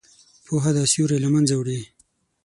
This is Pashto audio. پوهه دا سیوری له منځه وړي.